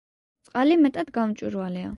წყალი მეტად გამჭვირვალეა.